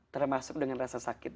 termasuk dengan rasa sakit